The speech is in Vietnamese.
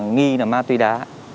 nghi là ma tuy đá